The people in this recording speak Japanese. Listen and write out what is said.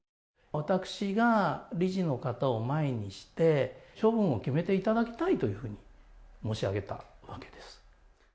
私が、理事の方を前にして、処分を決めていただきたいというふうに申し上げたわけです。